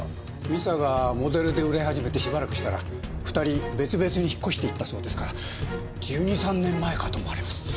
美佐がモデルで売れ始めてしばらくしたら２人別々に引っ越していったそうですから１２１３年前かと思われます。